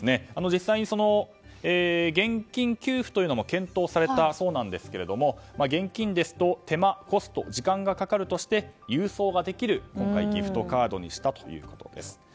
実際に、現金給付というのも検討されたそうなんですが現金ですと手間、コスト、時間がかかるとして郵送ができるギフトカードにしたということです。